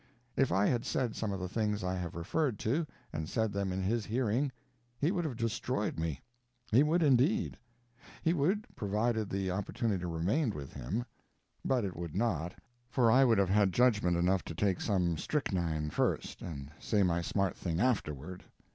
If I had said some of the things I have referred to, and said them in his hearing, he would have destroyed me. He would, indeed. He would, provided the opportunity remained with him. But it would not, for I would have had judgment enough to take some strychnine first and say my smart thing afterward.